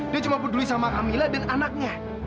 dia cuma peduli sama kamila dan anaknya